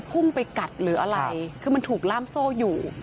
ตอนนี้ขอเอาผิดถึงที่สุดยืนยันแบบนี้